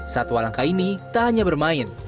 satu alangkah ini tak hanya bermain